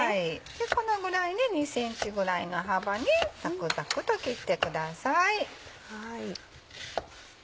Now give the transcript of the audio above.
このぐらいね２ｃｍぐらいの幅にざくざくと切ってください。